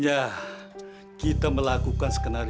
udah ke tempat nano kali